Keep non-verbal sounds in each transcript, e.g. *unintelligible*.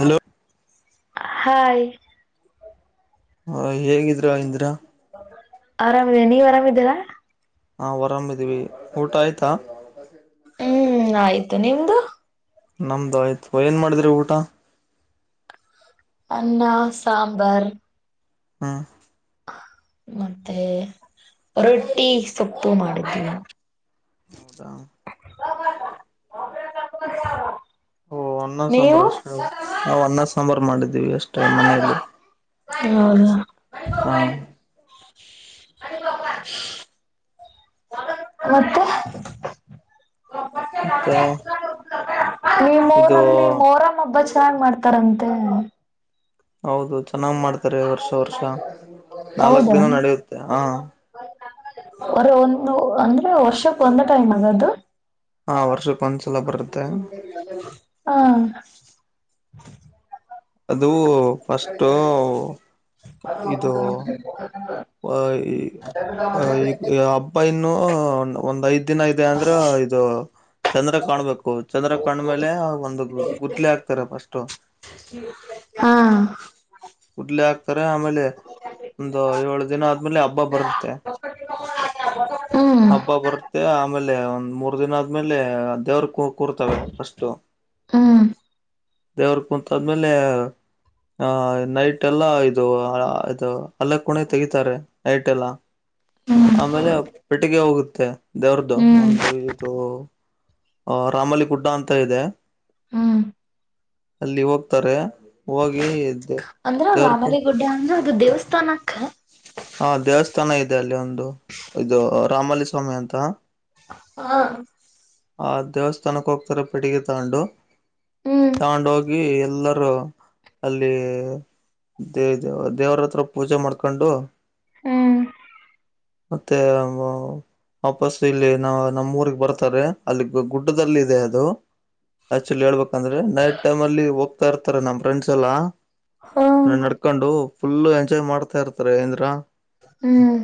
Hello hi hi ಹೇಗಿದ್ರ ಇಂದ್ರ. ಆರಾಮ್ ಇದ್ದೀನಿ ನೀವ್ ಆರಾಮಿದ್ದೀರಾ. ನಾವ್ ಆರಾಮಿದೀವಿ ಊಟ ಆಯ್ತಾ. ಹ್ಮ್ ಆಯ್ತು ನಿಮ್ದು. ನಮ್ದು ಆಯ್ತು ಏನ್ ಮಾಡಿದ್ರಿ ಊಟ. ಅನ್ನ ಸಾಂಬಾರ್ ಹಾ ಮತ್ತೆ ರೊಟ್ಟಿ ಸೊಪ್ಪು ಮಾಡಿದ್ವಿ. ಹೌದಾ ಓ ಅನ್ನ ಸಾಂಬಾರ್ ನೀವು ಅಷ್ಟ ನಾವು ಅನ್ನ ಸಾಂಬಾರ್ ಮಾಡಿದ್ದೀವಿ. ಅಷ್ಟೇ ಮನೆಯಲ್ಲಿ ಹೌದಾ ಹ ಅ ಬಪಾ *unintelligible* ಮತ್ತೆ ಮತ್ತೆ ನಿಮ್ಮ ಇದು ಊರಲ್ಲಿ ಮೋರಮ್ ಹಬ್ಬ ಚೆನ್ನಾಗ್ ಮಾಡ್ತಾರಂತೆ. ಹೌದು ಚೆನ್ನಾಗ್ ಮಾಡ್ತಾರೆ ವರ್ಷ ವರ್ಷ ನಾಲ್ಕ್ ದಿನ ನಡೆಯುತ್ತೆ ಹ ಒರೆ ಒಂದು ಅಂದ್ರೆ ವರ್ಷಕ್ ಒಂದೇ ಟೈಮ್ ಆಗದು. ಹಾ ವರ್ಷಕ್ಕೆ ಒಂದ್ಸಲ ಬರುತ್ ಹಾ ಅದು ಫಸ್ಟು ಇದು *inaudible* ಆ ಈ ಈ ಹಬ್ಬಇನ್ನು ಒಂದ್ ಐದ್ ದಿನ ಇದೆ ಅಂದ್ರ ಇದು ಚಂದ್ರ ಕಾಣ್ಬೇಕು. ಚಂದ್ರ ಕಂಡ್ಮೇಲೆ ಒಂದು ಗುತ್ಲೆ ಹಾಕ್ತಾರೆ ಫಸ್ಟ್. ಹಾ ಕುೂಡ್ಲೆ ಹಾಕ್ತಾರೆ ಆಮೇಲೆ ಒಂದು ಏಳು ದಿನ ಆದ್ಮೇಲೆ ಹಬ್ಬ ಬರುತ್ತೆ. ಹ್ಮ್ ಹಬ್ಬ ಬರುತ್ತೆ ಆಮೇಲೆ ಒಂದ್ ಮೂರ್ ದಿನ ಆದ್ಮೇಲೆ ದೇವ್ರ ಕೂ. ಕೂರ್ತವೆ ಹ್ಮ್ ದೇವ್ರ ಕುೂಂತಾದ್ಮೇಲೆ. ಆನೈಟ್ ಎಲ್ಲ ಇದು ಇದು ಅಲ್ಲ ಕೂಣೆ ತೆಗೀತಾರೆ ನೈಟ್ ಎಲ್ಲ. ಹ್ಮ್ ಆಮೇಲೆ ಪೆಟ್ಟಿಗೆ ಹೋಗುತ್ತೆ ದೇವ್ರ್ದು ಹ್ಮ್ ಒಂದು ಇದು. ಅ ರಾಮಲಿಗುಡ್ಡ ಅಂತ ಇದೆ. ಹ್ಮ ಅಲ್ಲಿ ಹೋಗ್ತಾರೆ ಹೋಗಿ ಇದ್ದೆ. ಅಂದ್ರ ರಾಮಲಿಗುಡ್ಡೆ ಅಂದ್ರ ಅದು ದೇವಸ್ಥಾನಕ್ಕ. ಹಾ ದೇವಸ್ಥಾನ ಇದೆ ಅಲ್ಲಿ ಒಂದು ಇದು ರಾಮಲ್ಲಿ ಸ್ವಾಮಿ ಅಂತ. ಹಾ ಆ ದೇವಸ್ಥಾನಕ್ಕೆ ಹೋಗ್ತಾರೆ ಪೆಟಿಗೆ ತಕೊಂಡು. ಹ್ಮ್ ತಗೊಂಡು ಹೋಗಿ ಎಲ್ಲರೂ. ಅಲ್ಲಿ ದೇವರ ಹತ್ರ ಪೂಜೆ ಮಾಡ್ಕೊಂಡು. ಹ್ಮ್ ಮತ್ತೆ ವಾಪಸ್ ಇಲ್ಲಿ ನಾ ನಮ್ಮ ಊರಿಗೆ ಬರ್ತಾರೆ ಅಲ್ಲಿ ಗುಡ್ಡದಲ್ಲಿ ಇದೆ ಅದು. ಆಕ್ಚುಲಿ ಹೇಬೇಕಂದ್ರೆ ನೈಟ್ ಟೈಮ ಅಲ್ಲಿ ಹೋಗ್ತಾ ಇರ್ತಾರೆ ನಮ್ಮ್ ಫ್ರೆಂಡ್ ಎಲ್ಲಾ. ಹ ನಡ್ಕೊಂಡು ಫುಲ್ ಎಂಜಾಯ್ ಮಾಡ್ತಾ ಇರ್ತಾರೆ ಅಂದ್ರ ಹ್ಮ್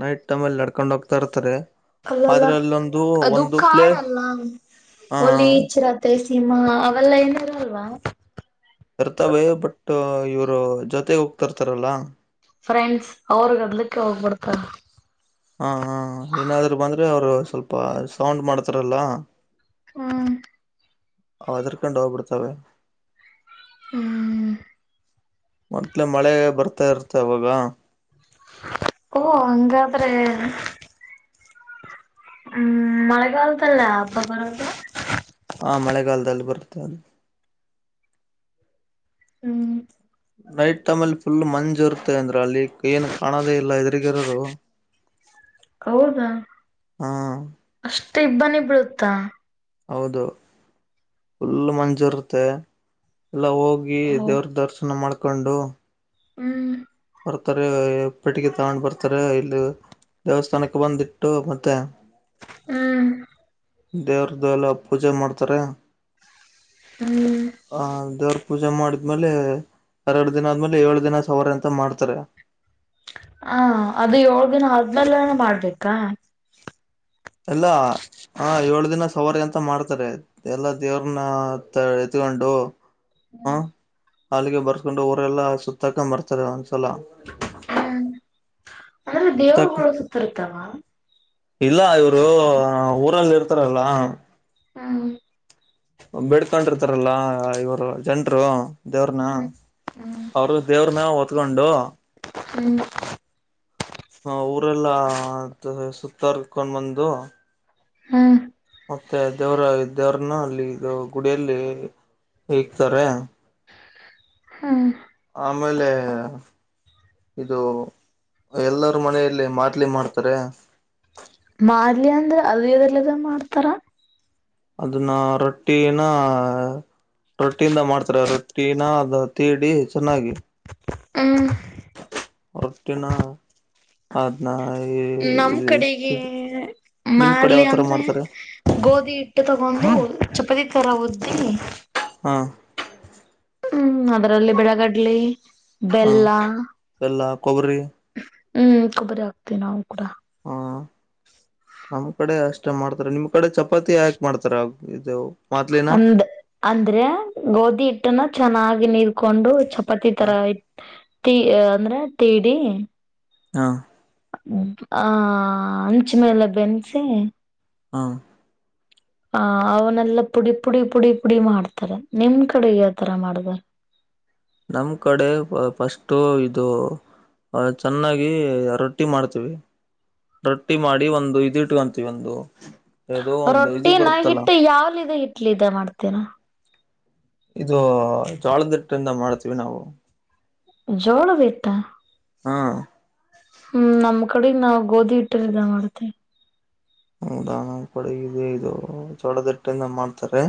ನೈಟ್ ಟೈಮ್ಲ್ಲಿ ನಡ್ಕೊಂಡ್ ಹೋಗ್ತಾ ಇರ್ತಾರೆ. ಅಲ್ಲಲ್ಲ ಆದ್ರೆ ಅಲ್ಲೊಂದು ಅದು ಒಂದು ಪ್ಲೇ ಕಾಡಲ್ಲ ಅಲ್ಲ ಆ ಹುಲಿ ಚಿರತೆ. ಸಿಂಹ ಅವೆಲ್ಲ ಏನು ಇರಲ್ವ. ಇರ್ತವೆ ಬಟ್ ಇವರು ಜೊತೆಗೆ ಹೋಗ್ತರ್ತಾರಲ್ಲ. ಫ್ರೆಂಡ್ಸ್ ಅವ್ರಿಗೆ ಅದಲಿಕ್ಕೆ ಹೋಗ್ಬಿಡ್ತಾರೆ. ಹಾ ಹಾ ಏನಾದ್ರು ಬಂದ್ರೆ ಅವ್ರು ಸ್ವಲ್ಪ ಸೌಂಡ್ ಮಾಡ್ತಾರಲ್ಲ. ಹ್ಮ ಹೆದ್ದಾರಿಕೊಂಡು ಹೋಗ್ಬಿಡ್ತವೆ *inaudible* ಮೊದ್ಲೇ ಮಳೆ ಬರ್ತಾ ಇರುತ್ತೆ ಅವಾಗ. ಓ ಹಂಗಾದ್ರೆ. ಹ್ಮ್ ಮಳೆಗಲದಲ್ಲ ಹಬ್ಬ ಬರೋದು. ಹಾ ಮಳೆಗಾಲದಲ್ಲಿ ಬರುತ್ತೆ. ಹ್ಮ್ ನೈಟ್ ಟೈಮ್ ಅಲ್ಲಿ ಫುಲ್ ಮಂಜ್ ಇರುತ್ತೆ ಅಂದ್ರೆ ಅಲ್ಲಿ ಏನ್ ಕಾಣೋದೇ ಇಲ್ಲ ಎದರಿಗಿರರು. *inaudible* ಹೌದಾ ಹಾ ಅಷ್ಟ ಇಬ್ಬನೀ ಬೀಳುತ್ತಾ ಹೌದು ಫುಲ್ ಮಂಜೂರುತ್ತೆ ಎಲ್ಲ ಹೋಗಿ. ಹ್ಮ್ ದೇವ್ರು ದರ್ಶನ ಮಾಡ್ಕೊಂಡು. ಹ್ಮ್ ಬರ್ತಾರೆ ಪೆಟಿಗೆ ತಗೊಂಡ್ ಬರ್ತಾರೆ ಇಲ್ಲಿ ದೇವಸ್ಥಾನಕ್ಕೆ ಬಂದಿಟ್ಟು ಮತ್ತೆ. ಹ್ಮ್ ದೇವ್ರ್ದ ಎಲ್ಲ ಪೂಜೆ ಮಾಡ್ತಾರೆ. ಹ್ಮ್ ಆ ದೇವ್ರ ಪೂಜೆ ಮಾಡಿದ್ಮೇಲೆ ಎರಡು ದಿನ ಆದ್ಮೇಲೆ ಏಳು ದಿನ ಸಾವಾರೆ ಅಂತ. ಮಾಡ್ತಾರೆ. ಹಾ ಅದು ಏಳ್ ದಿನ ಆದ್ಮೇಲೆನೆ ಮಾಡ್ಬೇಕಾ. ಎಲ್ಲ ಹಾ ಏಳು ದಿನ ಸವಾರಿ ಅಂತ ಮಾಡ್ತಾರೆ. ಎಲ್ಲ ದೇವ್ರನ್ನ ಎತ್ಕೊಂಡು. ಹ ಹ್ಮ್ ಅಲ್ಲಿಗೆ ಬರ್ಸ್ಕೊಂಡು ಊರೆಲ್ಲ ಸುತ್ತಾಕೊಂಡು ಬರ್ತಾರೆ ಒಂದ್ಸಲ. ಹ್ಮ್ ಅಂದ್ರೆ ಸುತ್ತಾಕ ದೇವರುಗಳು ಸುತ್ತಿರ್ತಾವ. ಇಲ್ಲ ಇವ್ರು ಊರಲ್ಲಿ ಇರ್ತಾರಲ್ಲ. ಹ್ಮ್ ಬೇಡ್ಕೊಂಡಿರ್ತಾರಲ್ಲ ಇವರು ಜನ್ರು. ದೇವ್ರನ್ನ ಹ್ಮ್ ಅವ್ರ ದೇವ್ರನ್ನ ಹೊತ್ಕೊಂಡು. ಹ್ಮ ಹ ಊರೆಲ್ಲ ಸುತ್ತರ್ಕೊಂಡ್ ಬಂದು. ಹಾ ಮತ್ತೆ ದೇವರ ದೇವರನ್ನ ಅಲ್ಲಿ ಇದು ಗುಡಿಯಲ್ಲಿ ಇಕ್ತಾರೆ. ಹಾ ಆಮೇಲೆ ಇದು ಎಲ್ಲರ ಮನೆಯಲ್ಲಿ ಮಾದಲಿ ಮಾಡ್ತಾರೆ. ಮಾರ್ಲಿ ಅಂದ್ರೆ ಅದು ಇದೆಲ್ಲದ ಮಾಡ್ತಾರಾ. ಅದನ್ನ ರೊಟ್ಟಿನ. ರೊಟ್ಟಿಯಿಂದ ಮಾಡ್ತಾರೆ ರೊಟ್ಟಿನ ಅದು ತೀಡಿ ಚೆನ್ನಾಗಿ. ಹ್ಮ್ ರೊಟ್ಟಿನ. ಅದ್ನ್ನ ಈ ನಮ್ ಕಡೆಗೆ ನಿಮ್ ಕಡೆ ಮಾಡ್ಲಿ ಯಾವತರ ಅಂದ್ರೆ ಮಾಡ್ತಾರೆ. ಗೋಧಿ ಹಿಟ್ಟು ತಗೊಂಡು ಚಪಾತಿ ತರ ಉದ್ದಿ ಹಾ ಹ್ಮ್ ಅದರಲ್ಲಿ ಬಿಳಗಡ್ಲಿ ಬೆಲ್ಲ. ಬೇಲ್ಲ ಕೊಬ್ಬರಿ ಹ್ಮ್ ಕೊಬ್ಬರಿ ಆಗ್ತೇವಿ ನಾವು ಕೂಡ ಹಾ ನಮ್ಮ್ ಕಡೆ ಅಷ್ಟ ಮಾಡ್ತಾರೆ ನಿಮ್ ಕಡೆ ಚಪಾತಿ ಯಾಕ ಮಾಡ್ತಾರ ಇದು. ಮೊದ್ಲಿನ ಅಂದ ಅಂದ್ರೆ ಗೋಧಿ ಹಿಟ್ಟನ ಚೆನ್ನಾಗಿ ನೀರ್ಕೊಂಡು. ಚಾಪತಿ ಹ ತರ ಅಂದ್ರೆ ತೀಡಿ ಹಾ ಆ ಅಂಚ ಮೇಲೆ ಬೆನ್ಸಿ. ಹಾ ಆ ಅವನೆೆಲ್ಲಾ ಪುಡಿ ಪುಡಿ ಪುಡಿ ಪುಡಿ ಮಾಡ್ತಾರೆ ನಿಮ್ ಕಡೆ ಯಾವತರ ಮಾಡೋದು. ನಮ್ ಕಡೆ ಫಸ್ಟು ಇದು. *unintelligible* ಚೆನ್ನಾಗಿ ರೊಟ್ಟಿ ಮಾಡ್ತೀವಿ. ರೊಟ್ಟಿ ಮಾಡಿ ಒಂದು ಇದ ಇಟ್ಕೊಂತೀವ ಒಂದು. ಯಾವುದೋ ಒಂದು ಇದು ರೊಟ್ಟಿನ ಬರುತ್ತಲ್ಲ ಹಿಟ್ಟು *unintelligible* ಇಟ್ಲಿ ಇದ ಮಾಡ್ತೀನ. ಇದು ಜೋಳದಿಟ್ಟಿಂದ ಮಾಡ್ತೀವಿ ನಾವು. ಜೋಳದ್ ಹಿಟ್ಟ. ಹಾ *unintelligible* ಹ್ಮ್ ನಮ್ ಕಡೆ ನಾವ್ ಗೋಧಿ ಹಟ್ಟನಿಂದ. *unintelligible* ಹೌದ ನಮ್ ಕಡೆ ಇದು ಇದು ಜೋಳದ್ ಹಿಟ್ಟಯಿಂದ ಮಾಡ್ತಾರೆ.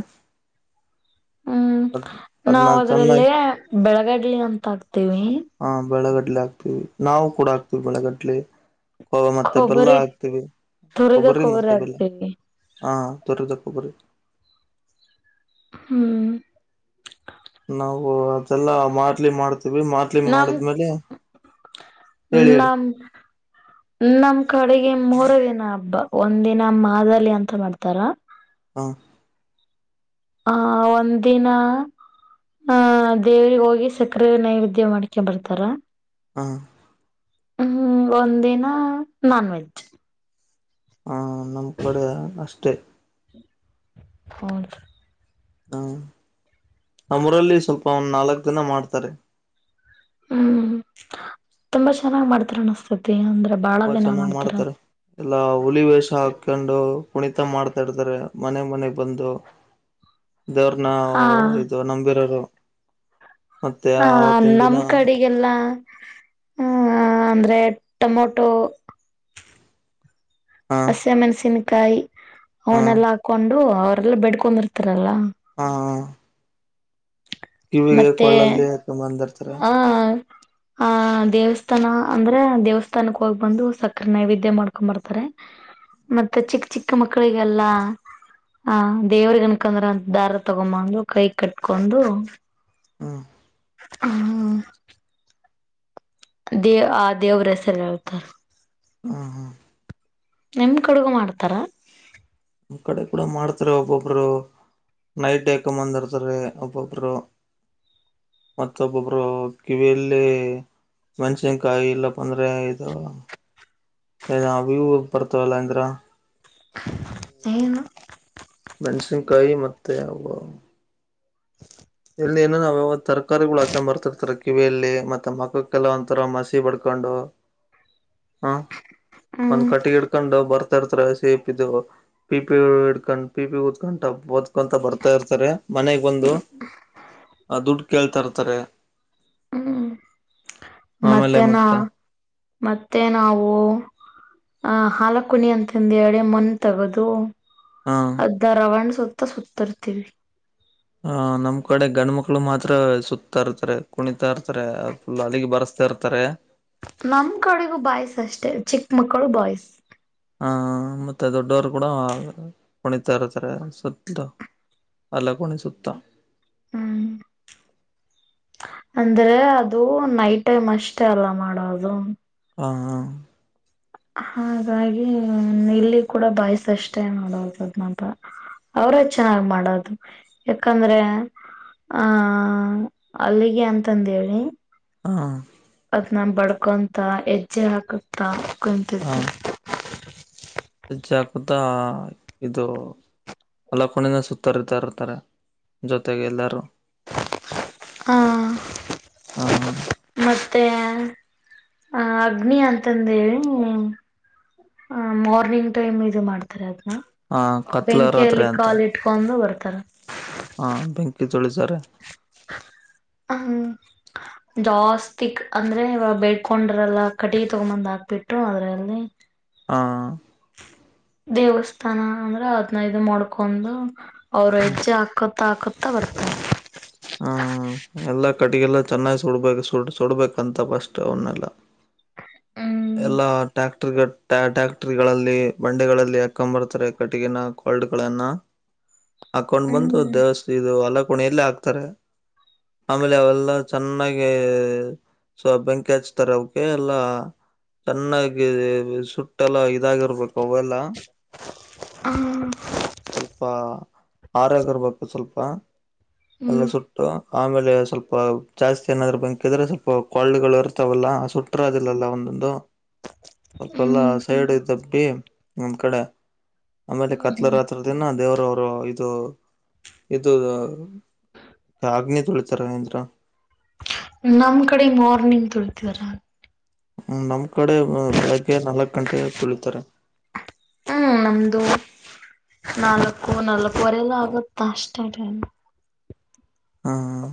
ಹ್ಮ್ ಅದ್ ಅದನ್ನ ನಾವ ಚೆನ್ನಾಗಿ ಅದ್ರಲ್ಲೇ ಬೆಳಗಡ್ಲಿ ಅಂತ ಹಾಕ್ತೇವಿ. ಹ ಬೆಳಗಡ್ಲೆ ಹಾಕ್ತಿವಿ ನಾವು ಕೂಡ ಹಾಕ್ತಿವಿ ಬೆಳಗಡ್ಲೆ. *unintelligible* ಮತ್ತೆ ಬೆಲ್ಲ ಕೊಬ್ಬರಿ ಹಾಕ್ತಿವಿ ತುರಿದ ಕೊಬ್ಬರಿಗೆ ಕೊಬ್ಬರಿ ಮತ್ತೆ ಬೆಲ್ಲ. ಹಾಕ್ತಿವಿ ಹಾ ತುರಿದ ಕೊಬರಿ. ಹ್ಮ್ ನಾವು ಅದೆಲ್ಲಾ *unintelligible* ಮಾಡ್ತೀವಿ *unintelligible* ನಮ್ ಮಾಡಿದ್ಮೇಲೆ *unintelligible* ಹೇಳಿ ಹೇಳಿ ನಮ್ ನಮ್ ಕಡೆಗೆ ಮೂರೆ ದಿನ ಹಬ್ಬ ಒಂದ್ ದಿನ ಮಾದಲಿ ಅಂತ ಮಾಡ್ತಾರ. ಹಾ *unintelligible* ಹ ಒಂದ ದಿನ ಹ ದೇವ್ರಿಗ್ ಹೋಗಿ ಸಕ್ಕರೆ ನೈವೇದ್ಯ ಮಾಡಿಕ್ಕಿ ಬರ್ತಾರ. ಹಾ ಹ್ಮ್ ಒಂದಿನ ನಾನ್ ವೆಜ್. ಹ ನಮ್ ಕಡೆ ಅಷ್ಟೇ. ಹೌದ್ *unintelligible* *unintelligible* ನಮೂರಲ್ಲಿ ಸ್ವಲ್ಪ ಒಂದ್ ನಾಲ್ಕ್ ದಿನ ಮಾಡ್ತಾರೆ. ಹ್ಮ್ ತುಂಬಾ ಚೆನ್ನಾಗ್ ಮಾಡ್ತಾರ *unintelligible* ಅಂದ್ರೆ ಬಾಳ ತುಂಬಾ ದಿನ ಚೆನ್ನಾಗ್ ಮಾಡ್ತಾರ. ಮಾಡ್ತಾರೆ ಎಲ್ಲಾ ಹುಲಿ ವೇಷ ಹಾಕೊಂಡು ಕುಣಿತ ಮಾಡ್ತಾ ಇರ್ತಾರೆ ಮನೆ ಮನೆಗ್ ಬಂದು. ದೇವ್ರನ ಹಾ ಇದು ನಂಬಿರೋರು. ಮತ್ತೆ ಆ ಆವತ್ತಿನ ದಿನ *unintelligible* ಆ ಅಂದ್ರೆ ಟೊಮೊಟೊ ಹ *unintelligible* ಮೆಣಸಿನ್ಕಾಯಿ ಹ ಅವನೆಲ್ಲಾ ಹಾಕೊಂಡು ಅವರೆಲ್ಲ ಬೆಡ್ಕೊಂಡಿರ್ತಾರಲ್ಲ. ಹಾ *unintelligible* ಕಿವಿಗೆ ಮತ್ತೆ ಕೊಳ್ಳಲ್ಲಿ ಹಾಕೊಂಬಂದಿರ್ತಾರೆ ಹ ಆ ದೇವಸ್ಥಾನ ಅಂದ್ರೆ ದೇವಸ್ಥಾನಕ್ಕೆ ಹೋಗ್ ಬಂದು ಸಕ್ಕರೆ ನೈವೇದ್ಯ ಮಾಡ್ಕೊಂಬರ್ತಾರೆ. ಮತ್ತೆ ಚಿಕ್ಕ್ ಚಿಕ್ಕ ಮಕ್ಕಳಿಗೆಲ್ಲ ಹ ದೇವ್ರ *unintelligible* ದಾರ ತಗೊಬಂದು ಕೈಕ್ ಕಟ್ಕೊಂಡು ಹಾ *unintelligible* *unintelligible* *unintelligible* ಆ ದೇವ್ರ ಹೆಸರ ಹೇಳ್ತಾರ. ಹು ಹು *unintelligible* *unintelligible* ಕಡುಗು ಮಾಡ್ತಾರಾ. *unintelligible* ಕೂಡ ಮಾಡ್ತಾರೆ ಒಬ್ಬೊಬ್ರು. ನೈಟ್ ಎಕಂಬಂದಿರ್ತಾರೆ *unintelligible* ಒಬ್ಬೊಬ್ಬರು. ಮತ್ತ್ ಒಬ್ಬೊಬ್ರು ಕಿವಿಯಲ್ಲಿ *unintelligible* ಇಲ್ಲ ಬಂದ್ರೆ ಇದು. *unintelligible* ಬರ್ತವಲ್ಲ ಅಂದ್ರ ಏನು ಮೆಣ್ಸಿನ್ಕಾಯಿ ಮತ್ತೆ ಅವು *inaudible* ಇಲ್ಲಿ ಏನ್ ಏ ಅವ ತರಕಾರಿಗಳ ಹಾಕೊಂಡ್ ಬರ್ತಿರ್ತಾರ ಕಿವಿಯಲ್ಲಿ ಮತ್ತ ಮಖಕ್ಕೆಲ್ಲ ಒಂಥರ ಮಸಿ ಬಡ್ಕೊಂಡು ಹ್ಮ ಒಂದ್ ಹ್ಮ್ ಕಟ್ಟಿಗಿ ಅಕೊಂಡ ಬರ್ತಇರ್ತಾರ ಸೀಪ್ ಇದು ಪಿ ಪಿ ಇಡ್ಕೊಂಡ್ ಪಿ ಪಿ ಉತ್ಕೊಂಡ ಟಪ್ ಕೊಂತ ಬರ್ತಾ ಇರ್ತಾರೆ ಮನೆಗ ಬಂದು *inaudible* ಆ ದುಡ್ಡ ಕೇಳ್ತಾ ಇರ್ತಾರೆ. ಹ್ಮ ಮತ್ತೆ ನಾ ಮತ್ತೆ ನಾವು ಅ ಹಾಲ ಕುಣಿ ಅಂತಂದ ಹೇಳಿ ಮನ್ನ ತಗದು ಹಾ ದ್ದ ರಾವಣ್ ಸುತ್ತ ಸುತ್ತಿರ್ತೀವಿ. ಆ ನಮ್ಮ ಕಡೆ ಗಂಡ ಮಕ್ಳು ಮಾತ್ರ ಸುತ್ತಾ ಇರ್ತಾರೆ ಕುಣಿತಾ ಇರ್ತ್ತರೆ. ಅಲ್ಲಿಗ ಬರಸ್ತಾ ಇರ್ತಾರೆ. ನಮ್ಮ ಕಡಿಗೂ ಬಾಯ್ಸ್ ಅಷ್ಟೇ ಚಿಕ್ಕ ಮಕ್ಕಳು ಬಾಯ್ಸ್. ಆ ಮತ್ತ ದೊಡ್ಡವರ ಕೂಡ ಕುಣಿತಾ ಇರ್ತಾರೆ ಸುತ್ತ ಅಲ್ಲ ಕುಣ ಸುತ್ತಾ *inaudible* ಅಂದ್ರ ಅದು ನೈಟ್ ಟೈಮ್ ಅಷ್ಟ ಅಲ ಮಾಡೋದು. ಹಾ ಹಾಗಾಗಿ ಇಲ್ಲಿ ಕೂಡ ಬಾಯ್ಸ್ ಅಷ್ಟೇ ನೋಡೋದ ನಂತ ಅವ್ರ ಚೆನ್ನಾಗ ಮಾಡೋದು ಯಾಕಂದ್ರೆ ಆ ಅಲ್ಲಿಗೆ ಅಂತಾಂದ ಹೇಳಿ ಹಾ ಅದ್ನ ಬಡ್ಕೊಂತ ಎಜ್ಜೆ ಹಾಕುತ್ತ ಕುಂತ ಹಾ ಹೆಜ್ಜೆ ಹಾಕುತ್ತ ಇದು ಅಲ್ಲ ಕುಣಿನ ಸುತ್ತರಿತಾ ಇರ್ತಾರೆ ಜೊತೆಗೆ ಎಲ್ಲರೂ ಆ ಹಾ ಮತ್ತೆ ಆ ಅಗ್ನಿ ಅಂತಂದ ಹೇಳಿ ಆ ಮಾರ್ನಿಂಗ್ ಟೈಮ್ ಇದು ಮಾಡ್ತಾರ ಅದ್ನ ಹಾ ಕತ್ಲ ರಾತ್ರಿ ಬೆಂಕಿಯಲ್ಲಿ ಕಾಲ ಇಟ್ ಟ್ಕೊಂದು ಬರ್ತಾರ. ಆ ಬೆಂಕಿ ತುಳಿತಾರೆ. *inaudible* ಜಾಸ್ತಿಕ್ ಅಂದ್ರೆ ಇವ ಬೆೇಳ್ಕೊಂಡ್ರಲ್ಲ ಕಟ್ಟಿಗೆ ತಗೊಂದು ಹಾಕ್ಬೀಟು ಅದ್ರಲ್ಲಿ ಆ ದೇವಸ್ಥಾನ ಅಂದ್ರ ಅದ್ನೈದು ಮಾಡ್ಕೊಂದು ಅವ್ರ ಹೆಜ್ಜೆ ಹಕ್ ಕುತ ಕುತ ಬರ್ತರೆ. ಆ ಎಲ್ಲಾ ಕಟ್ಟಿಗೆಲ್ಲ ಚೆನ್ನಾಗಿ ಸುಡ್ಬೇಕ ಸುಡ್ ಸುಡ್ಬೇಕಂತ ಫಸ್ಟ್ ಅವನ್ನೆಲ್ಲ ಹ್ಮ. ಎಲ್ಲಾ ಟ್ಯಾಕ್ಟ್ರ ಟ್ಯಾಕ್ಟರುಗಳಲ್ಲಿ ಬಂಡಿಗಳಲ್ಲಿ ಹಾಕ್ಕೊಂದ ಬರ್ತಾರೆ ಕಟ್ಟಿಗಿನ ಹಲ್ಡ್ಗನ್ನ ಹಾಕೊಂಡ ಬಂದು ದೇವಸ್ ಇದು ಅಲ ಕುಣಿ ಅಲ್ಲೇ ಹಾಕ್ತಾರೆ. ಆಮೇಲೆ ಅವೆಲ್ಲಾ ಚೆನ್ನಾಗಿ ಸೋ ಬೆಂಕಿ ಹಚ್ತಾರೆ ಅವಕ್ಕೆ ಎಲ್ಲಾ ಛೆನ್ನಾಗಿ ಸುಟ್ಟೆಲ್ಲ ಇದಾಗಿರ್ಬೇಕು ಅವೆಲ್ಲ ಹಾ..... ಸ್ವಲ್ಪ ಅರೊಗಿರ್ಬೇಕು ಸ್ವಲ್ಪ ಎಲ್ಲ ಸು... ಆಮೇಲೆ ಸ್ವಲ್ಪ ಜಾಸ್ತಿ ಏನಾದ್ರೂ ಬಂಕಿದ್ರೆ ಸ್ವಲ್ಪ ಕಳ್ಳಗಳು ಇರ್ತಾವಲ್ಲ ಸು. ಒಂದೊಂದು ಸ್ವಲ್ಪಲ್ಲ ಸೈಡ್ ಇದ್ದ ಬಿ ಒಂದ್ ಕಡೆ ಆಮೇಲೆ ಕತ್ಲರಾತ್ರ ದಿನ ದೇವರವರು ಇದು ಇದು. ಅಗ್ನಿ ತೊಳಿತಾ ಅಲ್ಲಿತಂತ್ರಾ. ನಮ್ ಕಡೆ ಮಾರ್ನಿಂಗ್ ತುಳಿತರ. ಹ್ಮ ನಮ್ ಕಡೆ ಬೆಳಿಗ್ಗೆ ನಾಲ್ಕಕ್ ಗಂಟೆ ತುಳಿತಾರ. ಹ್ಮ್ ನಮ್ದು ನಾಲ್ಕು ನಾಲ್ಕುವರೆ ಎಲ್ಲ ಆಗುತ್ತ ಅಷ್ಟೇ ಟೈಮ್. ಹಾ ಹಾ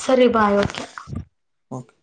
ಸರಿ ಬಾಯ್ ಓಕೆ. ಓಕೆ.